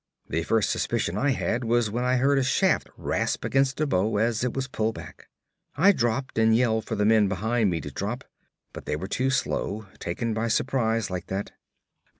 The first suspicion I had was when I heard a shaft rasp against a bow as it was pulled back. I dropped and yelled for the men behind me to drop, but they were too slow, taken by surprise like that.